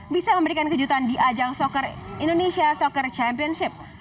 bisa memberikan kejutan di ajang indonesia soccer championship